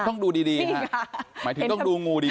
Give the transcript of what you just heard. ต้องดูดีฮะหมายถึงต้องดูงูดี